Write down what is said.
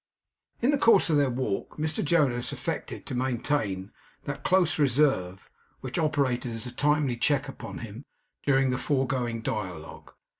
In the course of their walk, Mr Jonas affected to maintain that close reserve which had operated as a timely check upon him during the foregoing dialogue.